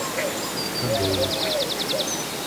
Candeias